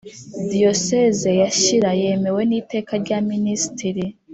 Diyoseze ya Shyira yemewe n’Iteka rya Minisitiri